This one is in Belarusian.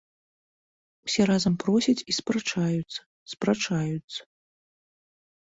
Усе разам просяць і спрачаюцца, спрачаюцца.